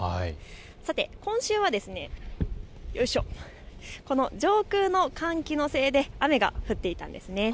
さて今週はこの上空の寒気のせいで雨が降っていたんですね。